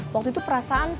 waktu itu perasaan pak